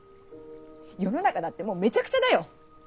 世の中だってもうめちゃくちゃだよ。